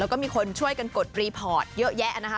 แล้วก็มีคนช่วยกันกดรีพอร์ตเยอะแยะนะคะ